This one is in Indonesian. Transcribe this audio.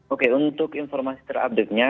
oke untuk informasi terupdate nya